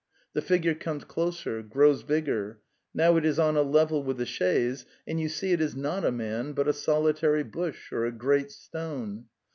The figure comes closer, grows bigger; now it is on a level with the chaise, and you see it is not a man, but a solitary bush or a great stone.